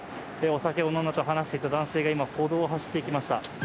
お酒を飲んだと話していた男性が今、歩道を走っていきました。